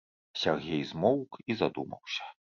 Сяргей змоўк і задумаўся.